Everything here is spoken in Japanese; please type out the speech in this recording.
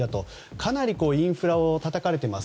かなりインフラをたたかれています。